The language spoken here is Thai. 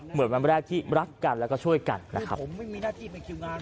เหมือนวันแรกที่รักกันแล้วก็ช่วยกันนะครับผมไม่มีหน้าที่เป็นคิวงาน